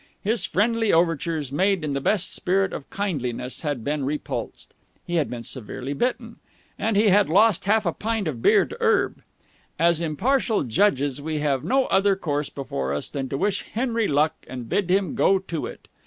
His friendly overtures, made in the best spirit of kindliness, had been repulsed. He had been severely bitten. And he had lost half a pint of beer to Erb. As impartial judges we have no other course before us than to wish Henry luck and bid him go to it.